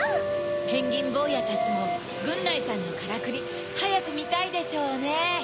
ペンギンぼうやたちもぐんないさんのからくりはやくみたいでしょうね。